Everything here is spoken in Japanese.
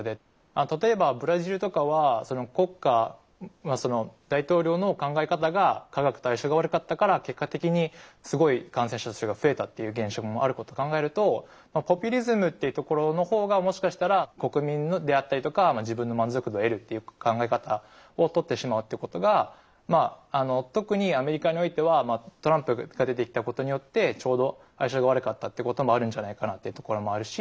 例えばブラジルとかはその国家大統領の考え方が科学と相性が悪かったから結果的にすごい感染者数が増えたっていう現象もあることを考えるとポピュリズムっていうところの方がもしかしたら国民であったりとか自分の満足度を得るっていう考え方をとってしまうっていうことがまあ特にアメリカにおいてはトランプが出てきたことによってちょうど相性が悪かったっていうこともあるんじゃないかなっていうところもあるし。